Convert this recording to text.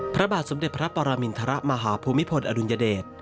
พระบาทสมเด็จพระปรมินทรมาหาภูมิพลอดุลยเดช